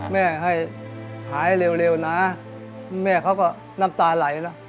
แม่ให้หายเร็วนะแม่เขาก็น้ำตาไหลนะ